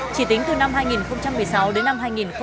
chỉ tính từ năm hai nghìn một mươi sáu đến năm hai nghìn một mươi chín